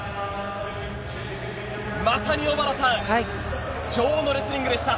まさに小原さん、女王のレスリングでした。